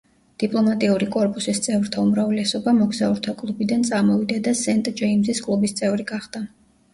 დიპლომატიური კორპუსის წევრთა უმრავლესობა მოგზაურთა კლუბიდან წამოვიდა და სენტ-ჯეიმზის კლუბის წევრი გახდა.